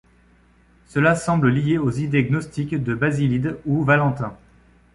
Cela semble lié aux idées gnostiques de Basilide ou Valentin.